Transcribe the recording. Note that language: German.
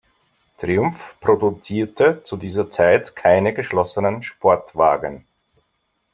Triumph produzierte zu dieser Zeit keine geschlossenen Sportwagen.